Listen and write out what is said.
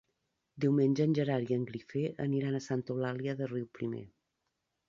Diumenge en Gerard i en Guifré aniran a Santa Eulàlia de Riuprimer.